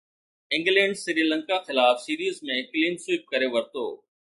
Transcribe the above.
England Sri Lanka خلاف series ۾ clean sweep ڪري ورتو